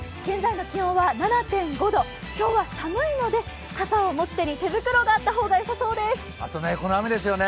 現在の気温は７．５度、今日は寒いので傘を持つ手に、手袋があったほうがよさそうです。